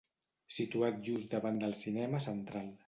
Situat just davant del Cinema Central.